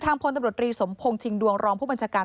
พลตำรวจรีสมพงษิงดวงรองผู้บัญชาการ